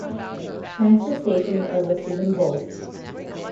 Transfer stations are listed in bold.